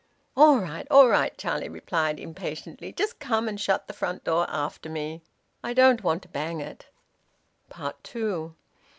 "All right! All right!" Charlie replied impatiently. "Just come and shut the front door after me. I don't want to bang it." TWO.